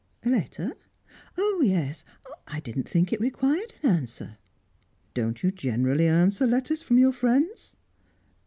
"A letter? Oh, yes. I didn't think it required an answer." "Don't you generally answer letters from your friends?"